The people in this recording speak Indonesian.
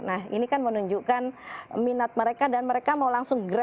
nah ini kan menunjukkan minat mereka dan mereka mau langsung gratis